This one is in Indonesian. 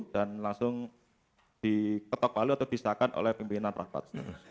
dan langsung diketok balik atau disahkan oleh pimpinan rapat